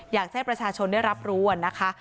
อยากให้ประชาชนได้รับรู้นะคะ